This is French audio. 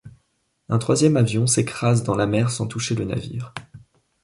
Un troisième avion s'écrase dans la mer sans toucher le navire.